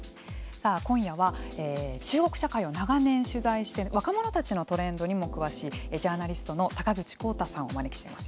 今夜は中国社会を長年取材して若者たちのトレンドにも詳しいジャーナリストの高口康太さんをお招きしています。